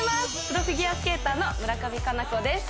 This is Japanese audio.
プロフィギュアスケーターの村上佳菜子です